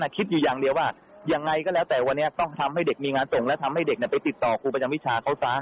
คิดอยู่อย่างเดียวว่ายังไงก็แล้วแต่วันนี้ต้องทำให้เด็กมีงานส่งและทำให้เด็กไปติดต่อครูประจำวิชาเขาซะ